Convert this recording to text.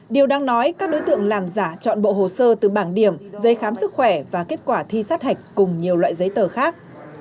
điều đang nói các đối tượng làm giả chọn bộ hồ sơ từ bảng điểm giấy khám sức khỏe và kết quả thi sát hạch cùng nhiều loại giấy tờ khác